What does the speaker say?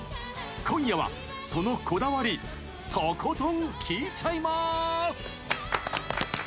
今夜は、そのこだわりとことん聞いちゃいます！